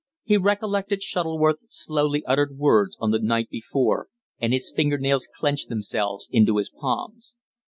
He recollected Shuttleworth's slowly uttered words on the night before, and his finger nails clenched themselves into his palms.